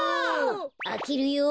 あけるよ。